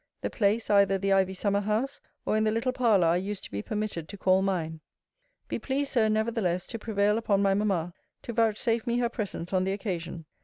The place either the ivy summer house, or in the little parlour I used to be permitted to call mine. Be pleased, Sir, nevertheless, to prevail upon my mamma, to vouchsafe me her presence on the occasion.